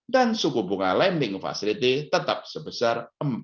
dan suku bunga lending facility tetap sebesar empat dua puluh lima